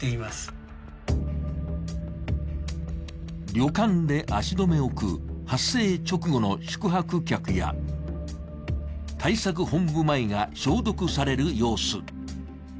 旅館で足止めを食う発生直後の宿泊客や対策本部前が消毒される様子。